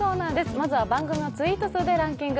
まずは番組をツイート数でランキング。